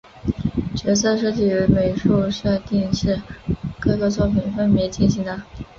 角色设计与美术设定是各个作品分别进行的。